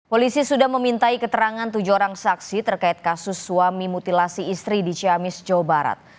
polisi sudah memintai keterangan tujuh orang saksi terkait kasus suami mutilasi istri di ciamis jawa barat